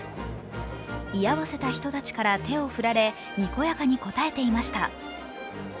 居合わせた人たちから手を振られにこやかに応えていました。